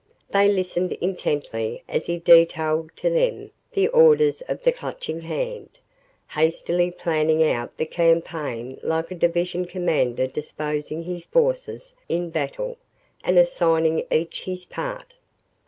They listened intently as he detailed to them the orders of the Clutching Hand, hastily planning out the campaign like a division commander disposing his forces in battle and assigning each his part.